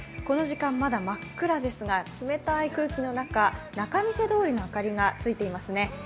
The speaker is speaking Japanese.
この時間、まだ真っ暗ですが冷たい空気の中仲見世通りの明かりがついていますね。